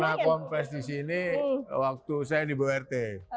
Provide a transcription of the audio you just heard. saya pernah kompes di sini waktu saya di bort